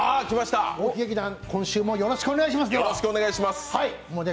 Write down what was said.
大木劇団、今週もよろしくお願いします。